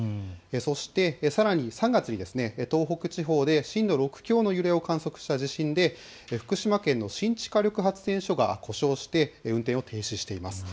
そして、さらに３月に東北地方で震度６強の揺れを観測した地震で福島県の新地火力発電所が故障し運転を停止しています。